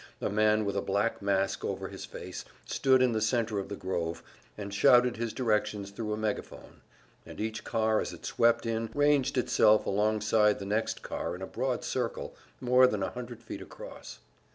A man with a black mask over his face stood in the center of the grove, and shouted his directions thru a megaphone, and each car as it swept in ranged itself alongside the next car in a broad circle, more than a hundred feet across.